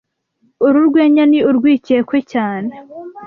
Uru rwenya ni urwikekwe cyane